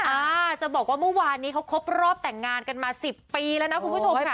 อ่าจะบอกว่าเมื่อวานนี้เขาครบรอบแต่งงานกันมาสิบปีแล้วนะคุณผู้ชมค่ะ